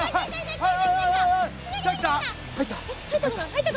入った？